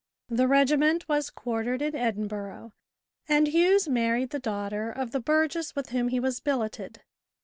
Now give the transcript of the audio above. The regiment was quartered in Edinboro', and Hughes married the daughter of the burgess with whom he was billeted.